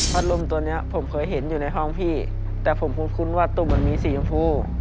ลมตัวนี้ผมเคยเห็นอยู่ในห้องพี่แต่ผมคุ้นว่าตุ่มมันมีสีชมพู